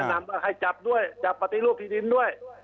นำให้จับด้วยจับปฏิรูปที่ดินด้วย